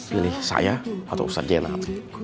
pilih saya atau ustadz general